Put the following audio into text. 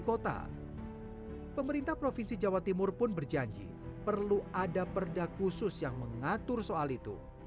pemerintah provinsi jawa timur pun berjanji perlu ada perda khusus yang mengatur soal itu